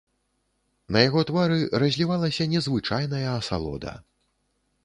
На яго твары разлівалася незвычайная асалода.